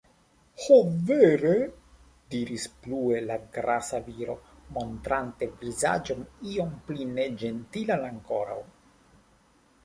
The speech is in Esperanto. Ho, vere!? diris plue la grasa viro, montrante vizaĝon iom pli neĝentilan ankoraŭ.